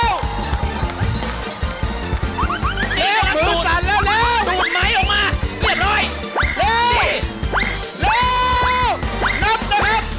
เรียกคือสันแล้วเรียบร้อยเรียบร้อยแล้วนับนะครับ๙๘